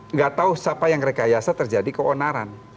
nggak tahu siapa yang rekayasa terjadi keonaran